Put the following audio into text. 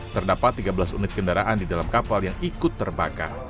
terdapat tiga belas unit kendaraan di dalam kapal yang ikut terbakar